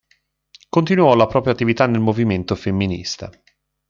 Continuò la propria attività nel movimento femminista.